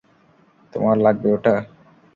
তোমার লাগবে ওটা?